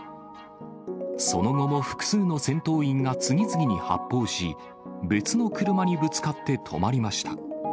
その後も複数の戦闘員が次々に発砲し、別の車にぶつかって止まりました。